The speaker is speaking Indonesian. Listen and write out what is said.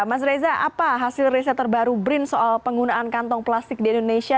mas reza apa hasil riset terbaru brin soal penggunaan kantong plastik di indonesia